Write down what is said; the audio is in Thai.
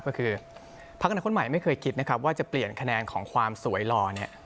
ก็คือพักอนาคตใหม่ไม่เคยคิดนะครับว่าจะเปลี่ยนคะแนนของความสวยหล่อเนี่ย